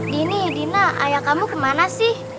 dini dina ayah kamu kemana sih